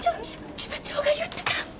事務長が言ってた！